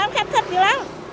khem thịt nhiều lắm